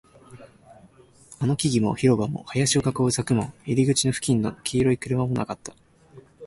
あの木々も、広場も、林を囲う柵も、入り口付近の黄色い車もなかった